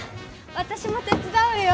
私も手伝うよ。